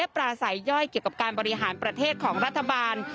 มีการเปิดเพลงปลุกใจและปราศัยย่อยเกี่ยวกับการบริหารประเทศของรัฐบาล